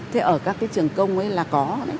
thế ở các cái trường công ấy là có